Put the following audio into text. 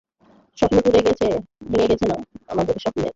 স্বপ্ন টুটে গেছে, ভেঙে গেছে- না, ওরা আমাদের স্বপ্নকে গলাটিপে হত্যা করেছে।